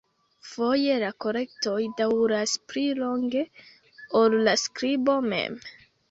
Foje la korektoj daŭras pli longe ol la skribo mem.